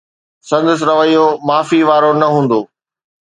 سندس رويو معافي وارو نه هوندو.